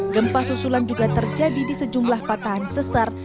gempa susulan juga terjadi di sejumlah patahan sesar